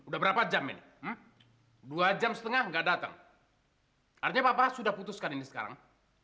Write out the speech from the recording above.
dia kalau janji pasti dia dateng